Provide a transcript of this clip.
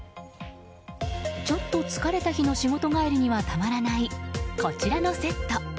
ちょっと疲れた日の仕事帰りにはたまらないこちらのセット。